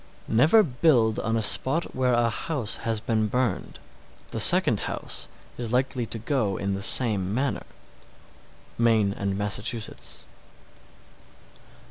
703. Never build on a spot where a house has been burned. The second house is likely to go in the same manner. _Maine and Massachusetts.